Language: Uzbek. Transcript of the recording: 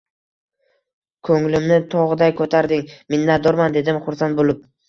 Ko`nglimni tog`day ko`tarding, minnatdorman, dedim xursand bo`lib